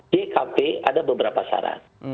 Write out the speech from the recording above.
jkp ada beberapa syarat